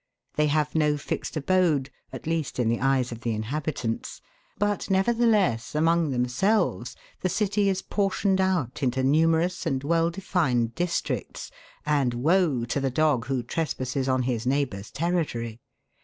They have no fixed abode, at least in the eyes of the inhabitants, but nevertheless, among themselves, the city is portioned out into numerous and well defined districts, and woe to the dog who trespasses on his neigh bour's territory